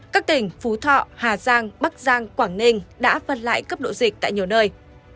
các tỉnh phú thọ hà giang bắc giang quảng ninh đã phân lại cấp độ dịch tại nhiều nơi